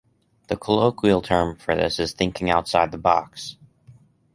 The colloquial term for this is thinking outside the box.